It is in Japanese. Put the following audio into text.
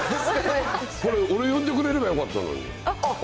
これ、俺呼んでくれればよかったのに。